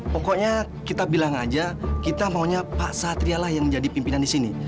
pokoknya kita bilang aja kita maunya pak satrialah yang jadi pimpinan di sini